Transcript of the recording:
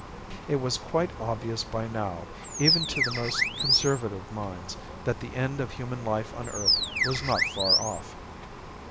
It was quite obvious by now, even to the most conservative minds, that the end of human life on earth was not far off.